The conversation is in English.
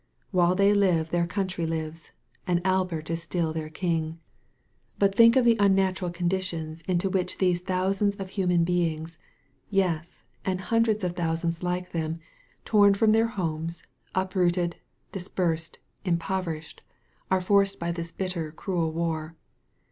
While they live their country lives, and Albert is still their King. But think of the unnatural conditions into which £9 ±.■■■■■ THE VALLEY OF VISION these thousands of human bemgs — yes, and hun dreds of thousands like them, torn from theur homes, uprooted, dispersed, impoverished — ^are forced by this bitter, cruel war.